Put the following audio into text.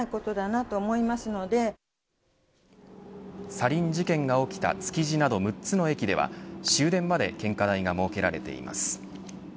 サリン事件が起きた築地など６つの駅では終電まで献花台が設けられています。